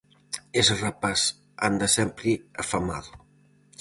Ese rapaz anda sempre afamado.